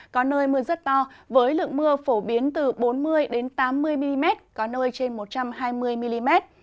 có nơi mưa rất to với lượng mưa phổ biến từ bốn mươi tám mươi mm có nơi trên một trăm hai mươi mm